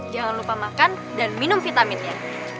jangan lupa makan dan minum vitaminnya